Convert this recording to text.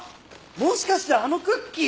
もしかしてあのクッキー！？